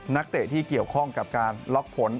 นักเตะที่เกี่ยวข้องกับการล็อกผล